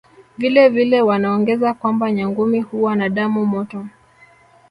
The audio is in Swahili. Vile vile wanaongeza kwamba Nyangumi huwa na damu motoY